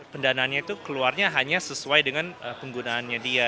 pendanaannya itu keluarnya hanya sesuai dengan penggunaannya dia